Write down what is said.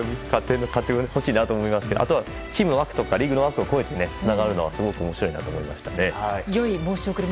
勝ってほしいなと思いますけどチームの枠とかリーグの枠を超えてつながるのがすごく面白いなと思いました。